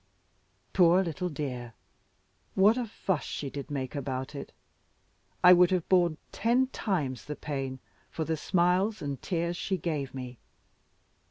Poor little dear! what a fuss she did make about it! I would have borne ten times the pain for the smiles and tears she gave me.